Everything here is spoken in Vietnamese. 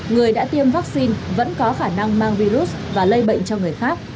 người đã tiêm vaccine vẫn có khả năng mang virus và lây bệnh cho người khác